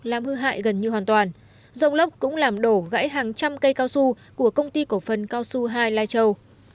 làm hư hại gần như hoàn toàn rông lốc cũng làm đổ gãy hàng trăm cây cao su của công ty cổ phần cao su hai lai châu